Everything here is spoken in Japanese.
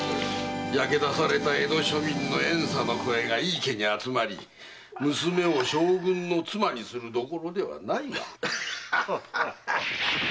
焼け出された江戸庶民の怨嗟の声が井伊家に集まり娘を将軍の妻にするどころではないわ！